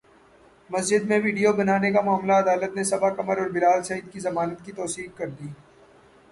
مسجد میں ویڈیو بنانے کا معاملہ عدالت نے صبا قمر اور بلال سعید کی ضمانت کی توثیق کردی